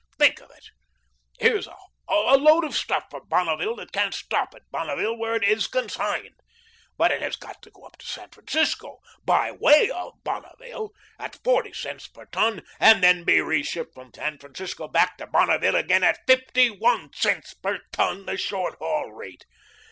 Think of it! Here's a load of stuff for Bonneville that can't stop at Bonneville, where it is consigned, but has got to go up to San Francisco first BY WAY OF Bonneville, at forty cents per ton and then be reshipped from San Francisco back to Bonneville again at FIFTY ONE cents per ton, the short haul rate.